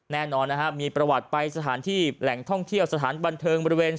แน่นอนนะฮะมีประวัติไปสถานที่แหล่งท่องเที่ยวสถานบันเทิงบริเวณ